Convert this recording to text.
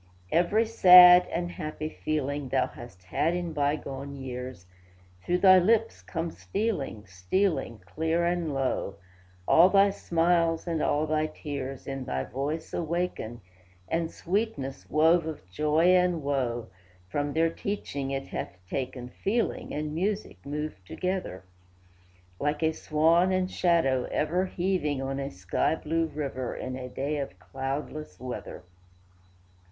Every sad and happy feeling, Thou hast had in bygone years, Through thy lips come stealing, stealing, Clear and low; All thy smiles and all thy tears In thy voice awaken, And sweetness, wove of joy and woe, From their teaching it hath taken Feeling and music move together, Like a swan and shadow ever Heaving on a sky blue river In a day of cloudless weather.